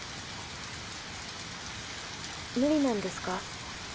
無理なんですか？